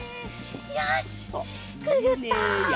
よしくぐった！